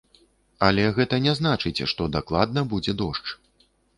Але гэта не значыць, што дакладна будзе дождж.